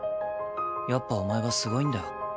やっぱお前はすごいんだよ。